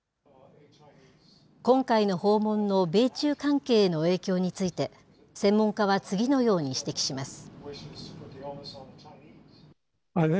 今回の訪問の米中関係への影響について、専門家は次のように指摘します。